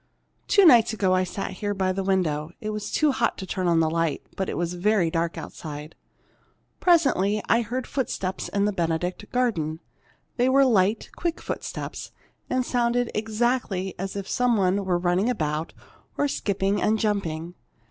"Two nights ago, I sat here by the window. It was too hot to turn on the light, but it was very dark outside. Presently I heard footsteps in the Benedict garden. They were light, quick footsteps, and sounded exactly as if some one were running about, or skipping and jumping.